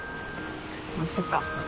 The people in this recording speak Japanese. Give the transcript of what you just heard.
まあそっか。